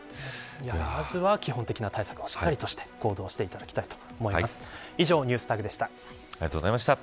まずは基本的な対策をしっかりして行動していただきたいと思います。